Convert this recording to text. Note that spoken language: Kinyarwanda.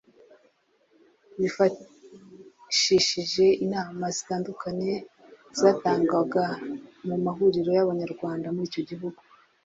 bifashishije inama zitandukanye zatangwaga mu mahuriro y’Abanyarwanda muri icyo gihugu